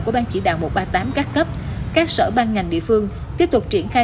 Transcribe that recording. của ban chỉ đạo một trăm ba mươi tám các cấp các sở ban ngành địa phương tiếp tục triển khai